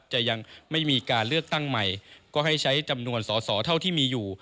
จะยังไม่มีการเลือกตั้งใหม่ก็ให้ใช้จำนวนสอสอเท่าที่มีอยู่